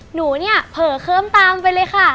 หนูเนี่ยเผลอเคิ้มตามไปเลยค่ะ